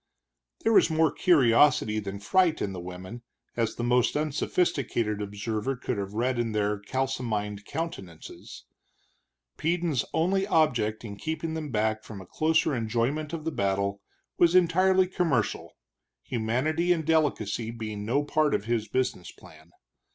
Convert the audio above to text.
There was more curiosity than fright in the women, as the most unsophisticated observer could have read in their kalsomined countenances. Peden's only object in keeping them back from a closer enjoyment of the battle was entirely commercial, humanity and delicacy being no part of his business plan.